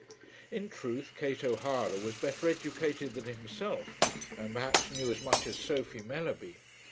In truth, Kate O'Hara was better educated than himself, and perhaps knew as much as Sophie Mellerby.